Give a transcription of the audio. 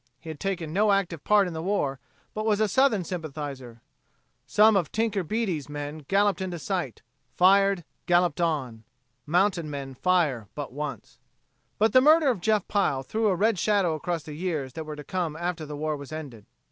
He had taken no active part in the war, but was a Southern sympathizer. Some of "Tinker" Beaty's men galloped into sight, fired, galloped on. Mountain men fire but once. But the murder of Jeff Pile threw a red shadow across the years that were to come after the war was ended.